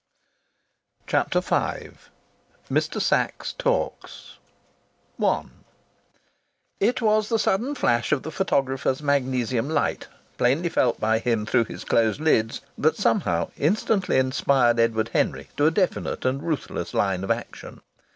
CHAPTER V MR SACHS TALKS I It was the sudden flash of the photographer's magnesium light, plainly felt by him through his closed lids, that somehow instantly inspired Edward Henry to a definite and ruthless line of action.